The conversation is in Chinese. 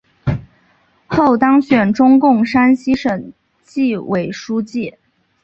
后当选中共山西省纪委书记。